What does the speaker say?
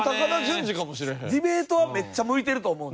ディベートはめっちゃ向いてると思うねん。